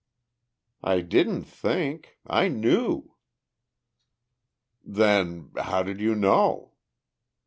"I didn't think. I knew." "Then ... how did you know?"